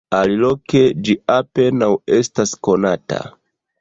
Aliloke ĝi apenaŭ estas konata.